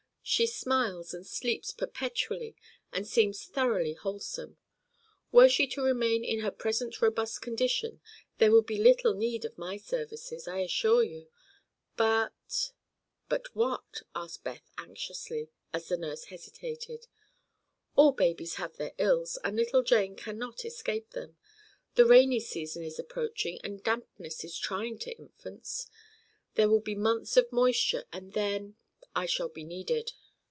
She smiles and sleeps perpetually and seems thoroughly wholesome. Were she to remain in her present robust condition there would be little need of my services, I assure you. But—" "But what?" asked Beth anxiously, as the nurse hesitated. "All babies have their ills, and little Jane cannot escape them. The rainy season is approaching and dampness is trying to infants. There will be months of moisture, and then—I shall be needed."